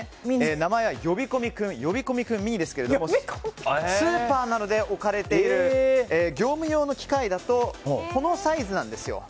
名前は呼び込み君ミニですがスーパーなどで置かれている業務用の機械だとこのサイズなんです。